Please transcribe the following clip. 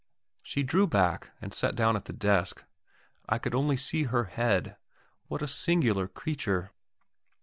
She drew back, and sat down at the desk. I could only see her head. What a singular creature!